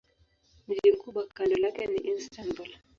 Mji mkubwa kando lake ni Istanbul.